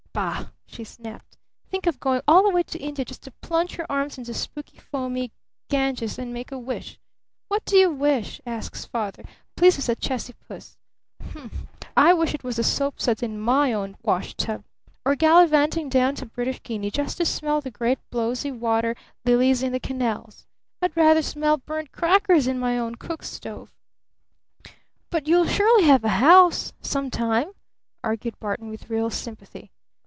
"Bah!" she snapped. "Think of going all the way to India just to plunge your arms into the spooky, foamy Ganges and 'make a wish'! 'What do you wish?' asks Father, pleased as a Chessy puss. Humph! I wish it was the soap suds in my own wash tub! Or gallivanting down to British Guiana just to smell the great blowsy water lilies in the canals! I'd rather smell burned crackers in my own cook stove!" "But you'll surely have a house some time," argued Barton with real sympathy.